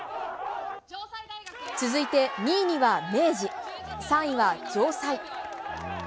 続いて２位には明治、３位は城西。